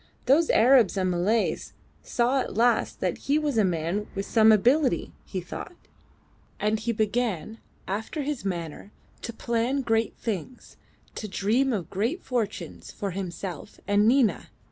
Those Arabs and Malays saw at last that he was a man of some ability, he thought. And he began, after his manner, to plan great things, to dream of great fortunes for himself and Nina.